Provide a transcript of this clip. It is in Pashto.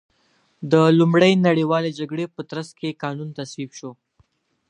د لومړۍ نړیوالې جګړې په ترڅ کې قانون تصویب شو.